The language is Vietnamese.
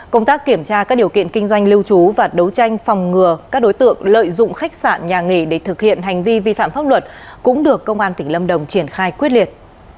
công tác kiểm tra các điều kiện kinh doanh lưu trú và đấu tranh phòng ngừa các đối tượng lợi dụng khách sạn nhà nghỉ để thực hiện hành vi vi phạm pháp luật cũng được công an tỉnh lâm đồng triển khai quyết liệt